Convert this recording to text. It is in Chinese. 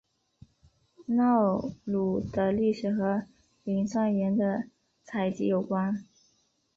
瑙鲁的历史和磷酸盐的采集有关。